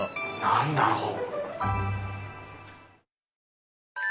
何だろう？